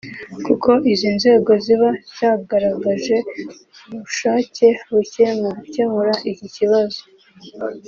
kuko izi nzego ziba zagaragaje ubushake buke mu gukemura iki kibazo